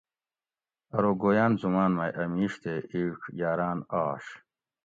ارو گویاۤن زماۤن مئ اۤ میش تے اِیڄ یاراۤن آش